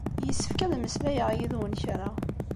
Yessefk ad mmeslayeɣ yid-nwen kra.